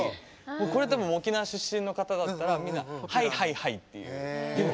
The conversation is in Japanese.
これ、沖縄出身の方だったらみんな、はいはいはいっていう。